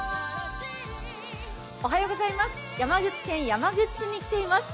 山口県山口市に来ています。